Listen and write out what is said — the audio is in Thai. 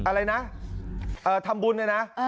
อะไรนะทำบุญเนี่ยนะ